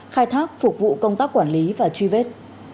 khai thác phục vụ công tác quản lý và truy vết